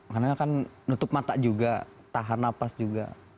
karena kan nutup mata juga tahan nafas juga